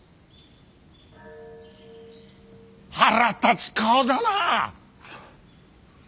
腹立つ顔だなあ！